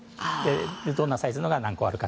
どんなサイズのものが何個あるか。